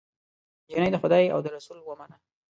جینۍ د خدای او د رسول ومنه